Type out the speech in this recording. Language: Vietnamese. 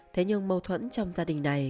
thế nhưng mâu thuẫn trong gia đình này